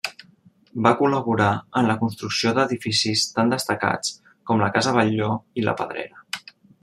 Va col·laborar en la construcció d'edificis tan destacats com la Casa Batlló i La Pedrera.